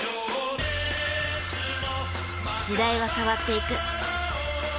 時代は変わっていく。